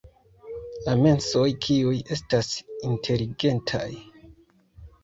La mensoj kiuj estas inteligentaj.